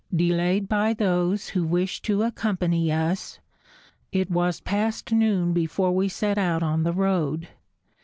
Delayed by those who wished to accompany us, it was past noon before we set out on the road.